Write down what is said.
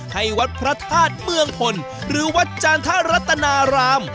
ให้วัดพระธาตุเมืองพลหรือวัดจันทรัตนาราม